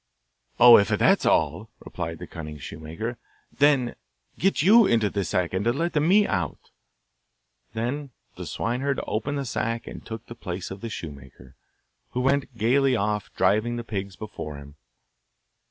'Oh, if that's all!' replied the cunning shoemaker, 'get you into this sack, and let me out.' Then the swineherd opened the sack and took the place of the shoemaker, who went gaily off, driving the pigs before him.